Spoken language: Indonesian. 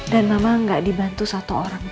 dan mama gak dibantu satu orang pun